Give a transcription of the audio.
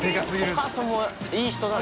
お母さんもいい人だな。